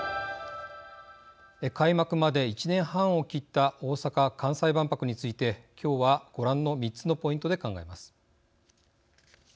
開幕まで１年半を切った大阪・関西万博について今日はご覧の３つのポイントで考えます。